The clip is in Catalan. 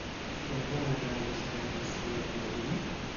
Quan va anar a la seva habitació la Paulina?